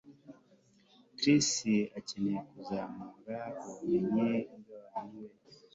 Chris akeneye kuzamura ubumenyi bwabantu be